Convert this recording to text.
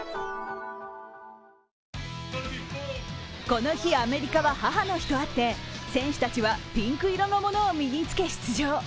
この日、アメリカは母の日とあって、選手たちはピンク色のものを身に着け出場。